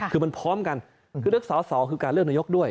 คือมันพร้อมกันคือเลือกสอสอคือการเลือกนายกด้วย